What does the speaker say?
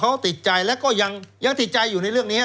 เขาติดใจแล้วก็ยังติดใจอยู่ในเรื่องนี้